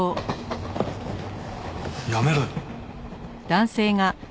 やめろよ。